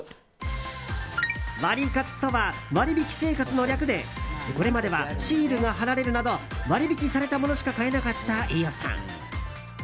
ワリカツとは割引生活の略でこれまではシールが貼られるなど割引されたものしか買えなかった飯尾さん。